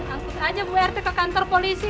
angkut aja bu rt ke kantor polisi